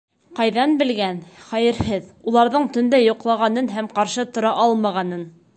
Ҡайҙан белгән, хәйерһеҙ, уларҙың тондә йоҡлағанын һәм ҡаршы тора алмағанын?